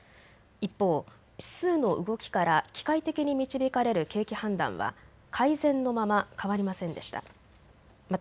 一方、指数の動きから機械的に導かれる景気判断は改善のまま変わりませんでした。